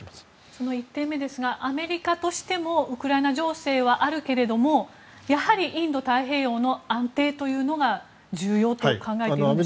その１点目ですがアメリカとしてはウクライナ情勢もあるけれどもやはりインド太平洋の安定というのが重要と考えていいんでしょうか？